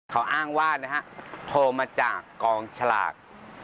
เขาอ้างว่านะฮะโทรมาจากกองฉลาก